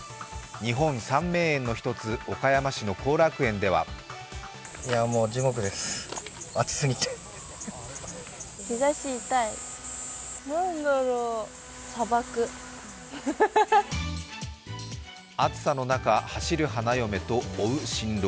日本三名園の１つ、岡山市の後楽園では暑さの中、走る花嫁と追う新郎。